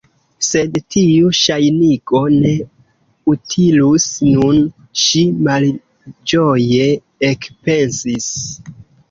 "Sed tiu ŝajnigo ne utilus nun" ŝi malĝoje ekpensis.